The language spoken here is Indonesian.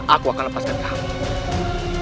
aku akan lepaskan kamu